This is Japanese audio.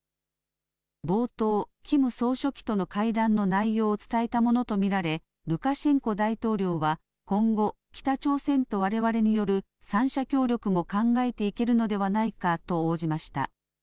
冒頭、キム総書記との会談の内容を伝えたものと見られ、ルカシェンコ大統領は、今後、北朝鮮とわれわれによる３者協力も考えていけるのではないかと応じました。